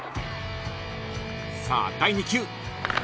［さあ第２球］